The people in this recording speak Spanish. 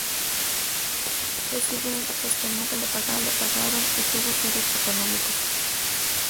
Recibió encargos por los que nunca le pagaron y tuvo serios problemas económicos.